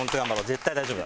絶対大丈夫。